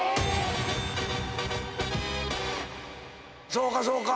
そうかそうか。